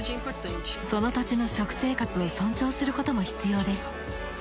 その土地の食生活を尊重することも必要です。